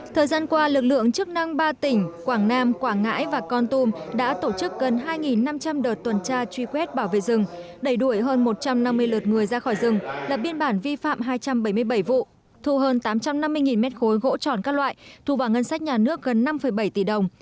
thời gian qua lực lượng chức năng ba tỉnh quảng nam quảng ngãi và con tum đã tổ chức gần hai năm trăm linh đợt tuần tra truy quét bảo vệ rừng đẩy đuổi hơn một trăm năm mươi lượt người ra khỏi rừng lập biên bản vi phạm hai trăm bảy mươi bảy vụ thu hơn tám trăm năm mươi mét khối gỗ tròn các loại thu vào ngân sách nhà nước gần năm bảy tỷ đồng